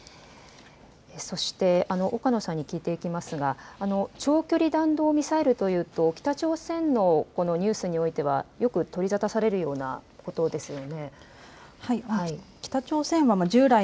そして岡野さんに聞いていきますが、長距離弾道ミサイルというと北朝鮮のニュースにおいてはよく取り沙汰されるようなことですよね。